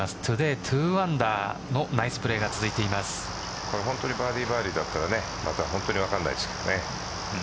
トゥデイ２アンダーのバーディーバーディーだったら本当に分からないですからね。